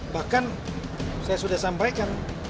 bahkan saya sudah sampaikan